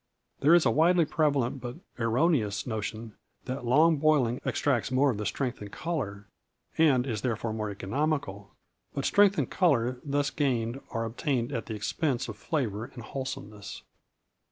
There is a widely prevalent but erroneous notion that long boiling extracts more of the strength and color, and is, therefore, more economical; but strength and color thus gained are obtained at the expense of flavor and wholesomeness.